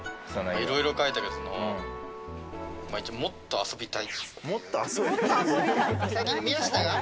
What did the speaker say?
いろいろ書いたけど、もっと遊びたい。